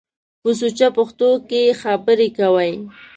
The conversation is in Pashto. په سوچه پښتو کښ خبرې کوٸ۔